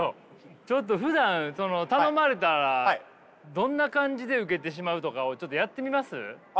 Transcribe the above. ちょっとふだんその頼まれたらどんな感じで受けてしまうとかをちょっとやってみます？